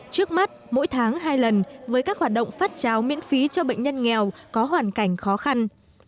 trước mắt mỗi tháng hai lần với các hoạt động phát cháo miễn phí cho bệnh nhân nghèo có hoàn cảnh khó khăn